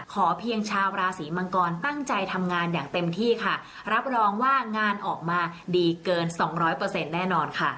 ขอเพียงชาวราศีมังกรตั้งใจทำงานอย่างเต็มที่ค่ะรับรองว่างานออกมาดีเกินสองร้อยเปอร์เซ็นต์แน่นอนค่ะ